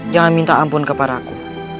jangan minta ampun kepada aku